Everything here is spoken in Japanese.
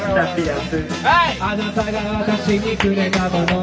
「あなたが私にくれたもの